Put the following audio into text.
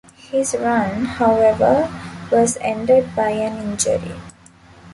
His run, however, was ended by an injury.